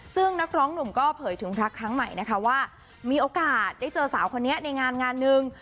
ซึ่งนักร้องหนุ่มก็เผยถึงพระครั้งใหม่นะคะว่ามีโอกาสได้เจอสาวคนนี้ในงานงานหนึ่ง